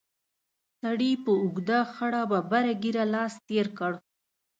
سړي په اوږده خړه ببره ږېره لاس تېر کړ.